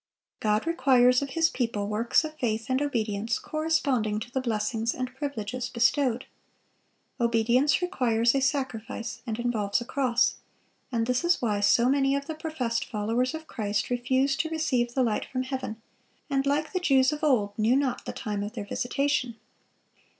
God requires of His people works of faith and obedience corresponding to the blessings and privileges bestowed. Obedience requires a sacrifice and involves a cross; and this is why so many of the professed followers of Christ refused to receive the light from heaven, and, like the Jews of old, knew not the time of their visitation.